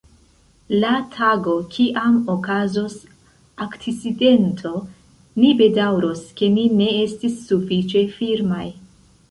La tago, kiam okazos akcidento, ni bedaŭros, ke ni ne estis sufiĉe firmaj.